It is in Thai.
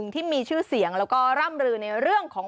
ที่มีชื่อเสียงแล้วก็ร่ำลือในเรื่องของ